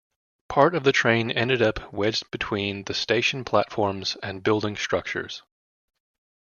Part of the train ended up wedged between the station platforms and building structures.